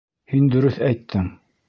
Һин дөрөҫ әйттең.